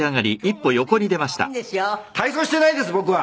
体操してないです僕は。